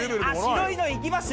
白いのいきます？